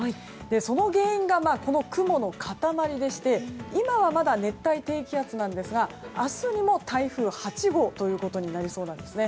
その原因がこの雲の塊でして今はまだ熱帯低気圧なんですが明日にも台風８号ということになりそうです。